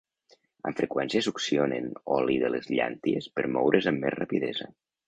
Amb freqüència succionen oli de les llànties per moure's amb més rapidesa.